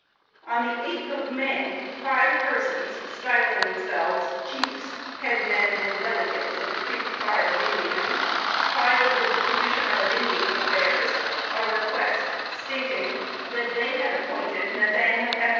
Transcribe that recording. On the eighth of May, five persons, styling themselves "chiefs, head men and delegates of the Creek Tribe of Indians," filed with the Commissioner of Indian Affairs a request, stating that they had appointed Nathaniel F.